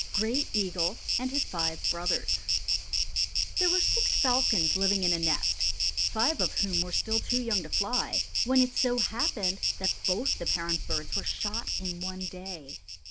GRAY EAGLE AND HIS FIVE BROTHERS |THERE were six falcons living in a nest, five of whom were still too young to fly, when it so happened that both the parent birds were shot in one day.